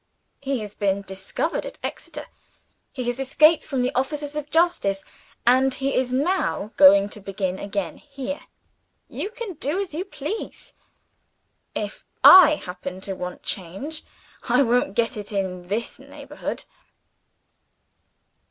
He has been discovered at Exeter he has escaped the officers of justice and he is now going to begin again here. You can do as you please. If I happen to want change, I won't get it in this neighborhood."